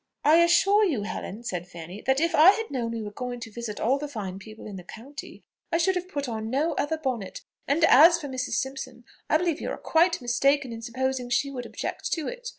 "I assure you, Helen," said Fanny, "that if I had known we were going to visit all the fine people in the county, I should have put on no other bonnet; and as for Mrs. Simpson, I believe you are quite mistaken in supposing she would object to it.